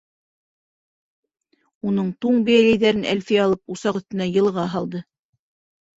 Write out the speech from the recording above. Уның туң бейәләйҙәрен Әлфиә алып усаҡ өҫтөнә йылыға һалды.